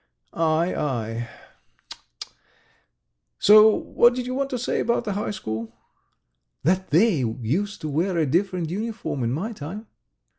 ... Aie, aie ... tut, tut ... so what did you want to say about the high school?" "That they used to wear a different uniform in my time."